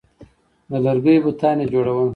د لرګیو بتان یې جوړول